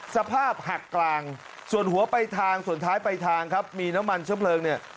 สภาพหักกลางส่วนหัวไปทางส่วนท้ายไปทางครับมีน้ำมันเชื้อเพลิงเนี่ย